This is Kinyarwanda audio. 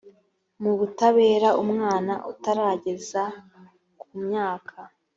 mu butabera umwana utarageza ku myaka